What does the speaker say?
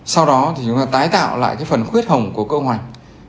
sau đó thì chúng ta tái tạo lại cái phần khuyết hồng của cơ hoành